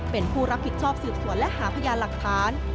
เป็นผู้รับผิดชอบสืบสวนและหาพยานหลักฐาน